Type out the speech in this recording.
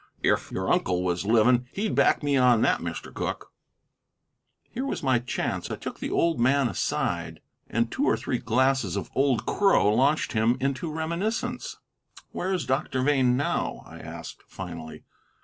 If your uncle was livin', he'd back me on that, Mr. Cooke." Here was my chance. I took the old man aside, and two or three glasses of Old Crow launched him into reminiscence. "Where is Doctor Vane now?" I asked finally.